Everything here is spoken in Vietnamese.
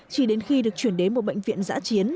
chỉ đến khi được chuyển đến một bệnh viện giã chiến